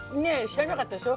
知らなかった。